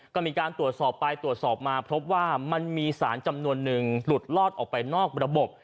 ก็มีการตรวจสอบไปตรวจสอบมาพบว่ามันมีสารจำนวนนึงหลุดลอดออกไปนอกระบบ